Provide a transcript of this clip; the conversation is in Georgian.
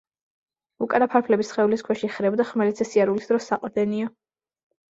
უკანა ფარფლები სხეულის ქვეშ იხრება და ხმელეთზე სიარულის დროს საყრდენია.